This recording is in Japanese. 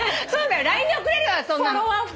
ＬＩＮＥで送れるわそんなの。